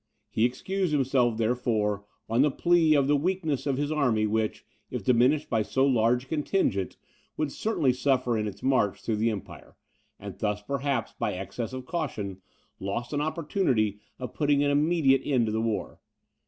He excused himself, therefore, on the plea of the weakness of his army which, if diminished by so large a detachment, would certainly suffer in its march through the empire; and thus, perhaps, by excess of caution, lost an opportunity of putting an immediate end to the war.